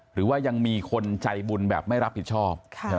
หรือว่ายังมีคนใจบุญแบบไม่รับผิดชอบ